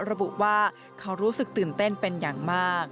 ระบุว่าเขารู้สึกตื่นเต้นเป็นอย่างมาก